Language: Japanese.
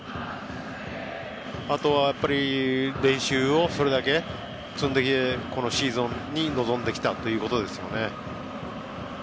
あとは、練習をそれだけ積んで今シーズンに臨んできたということですよね。